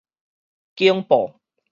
警報